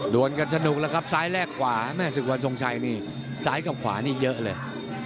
โดนกันสนุกแล้วครับซ้ายแลกขวาแม่ศึกวันทรงชัยนี่ซ้ายกับขวานี่เยอะเลย